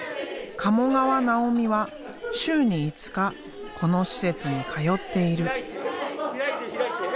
鴨川尚美は週に５日この施設に通っている。